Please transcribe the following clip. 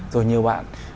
rồi nhiều bạn